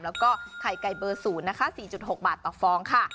แล้วก็ไข่ไก่เบอร์ศูนย์นะคะสี่จุดหกบาทต่อฟองค่ะ